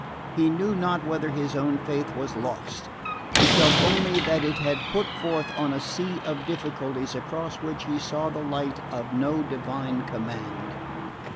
He knew not whether his own faith was lost; he felt only that it had put forth on a sea of difficulties across which he saw the light of no divine command.